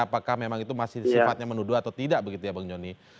apakah memang itu masih sifatnya menuduh atau tidak begitu ya bang joni